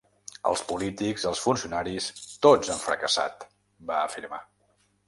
Els polítics, els funcionaris, tots han fracassat, va afirmar.